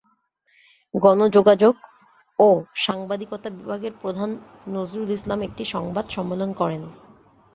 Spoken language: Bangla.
গণযোগাযোগ ও সাংবাদিকতা বিভাগের প্রধান নজরুল ইসলাম একটি সংবাদ সম্মেলন করেন।